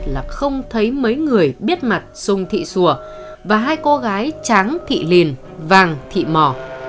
là không thấy mấy người biết mặt sùng thị sùa và hai cô gái tráng thị lìn vàng thị mò